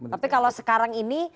tapi kalau sekarang ini